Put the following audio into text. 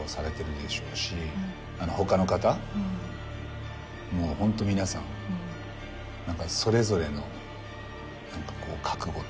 他の方もホント皆さんそれぞれの覚悟というか。